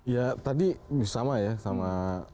ya tadi sama ya